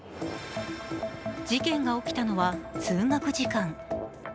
事件が起きたのは、通学時間。